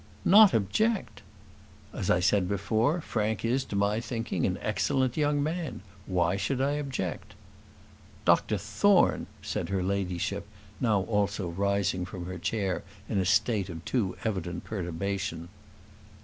"Not object!" "As I said before, Frank is, to my thinking, an excellent young man. Why should I object?" "Dr Thorne!" said her ladyship, now also rising from her chair in a state of too evident perturbation.